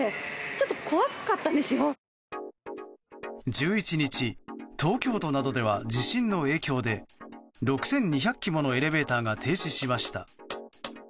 １１日、東京都などでは地震の影響で６２００基ものエレベーターが停止しました。